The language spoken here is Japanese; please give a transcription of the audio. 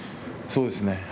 そうですね。